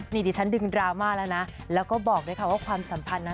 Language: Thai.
นี่ดิฉันดึงดราม่าแล้วนะแล้วก็บอกด้วยค่ะว่าความสัมพันธ์นั้น